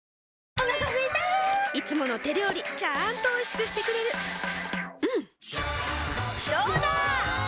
お腹すいたいつもの手料理ちゃんとおいしくしてくれるジューうんどうだわ！